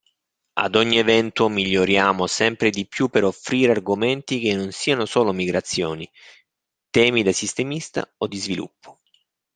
Ad ogni evento miglioriamo sempre di più per offrire argomenti che non siano solo migrazioni, temi da sistemista o di sviluppo.